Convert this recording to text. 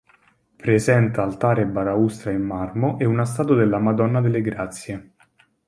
Presenta altare e balaustra in marmo e una statua della "Madonna delle Grazie".